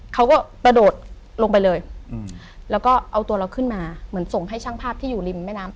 กระโดดลงไปเลยแล้วก็เอาตัวเราขึ้นมาเหมือนส่งให้ช่างภาพที่อยู่ริมแม่น้ำ